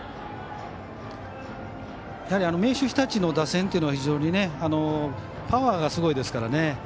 明秀日立の打線というのは非常にパワーがすごいですからね。